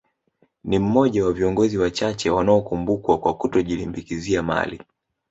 Ni mmoja wa viongozi wachache wanaokumbukwa kwa kutojilimbikizia mali